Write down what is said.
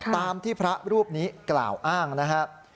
ตามที่พระรูปนี้กล่าวอ้างนะครับ